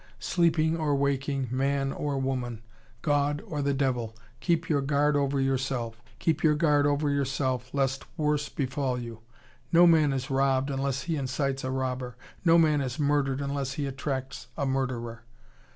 Sleeping or waking, man or woman, God or the devil, keep your guard over yourself. Keep your guard over yourself, lest worse befall you. No man is robbed unless he incites a robber. No man is murdered unless he attracts a murderer.